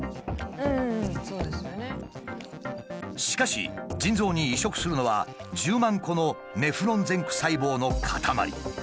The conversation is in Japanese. しかし腎臓に移植するのは１０万個のネフロン前駆細胞の固まり。